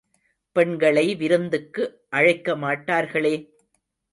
பெண்களை விருந்துக்கு அழைக்கமாட்டார்களே?